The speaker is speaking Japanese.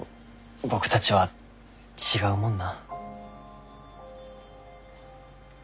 僕たちは違うもんな。